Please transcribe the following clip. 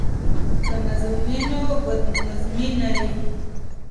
که نظم وي نو بد نظمي نه وي.